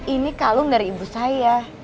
ini kalung dari ibu saya